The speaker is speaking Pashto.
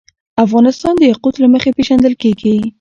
افغانستان د یاقوت له مخې پېژندل کېږي.